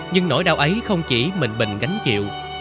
nhưng nỗi đau ấy không chỉ mình bình gánh chịu